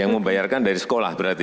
yang membayarkan dari sekolah berarti